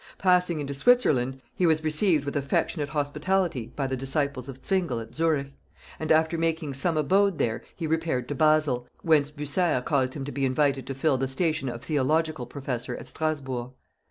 Passing into Switzerland, he was received with affectionate hospitality by the disciples of Zwingle at Zurich; and after making some abode there he repaired to Basil, whence Bucer caused him to be invited to fill the station of theological professor at Strasburg.